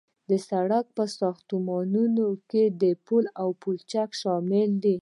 د سرک په ساختمانونو کې پل او پلچک شامل دي